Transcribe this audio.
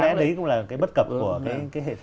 lẽ đấy cũng là cái bất cập của cái hệ thống